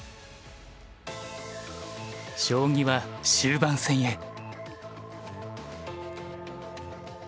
将棋は終盤戦へ。